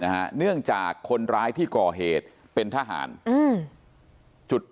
เนื่องจากคนร้ายที่ก่อเหตุเป็นทหารอืมจุด